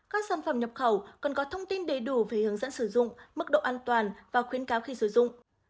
các sản phẩm nhập khẩu cần có thông tin đầy đủ về hướng dẫn sử dụng mức độ an toàn và khuyến cáo khi sử dụng